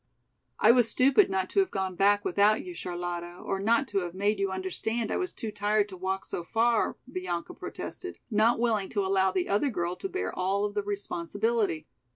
"I was stupid not to have gone back without you, Charlotta, or not to have made you understand I was too tired to walk so far," Bianca protested, not willing to allow the other girl to bear all of the responsibility.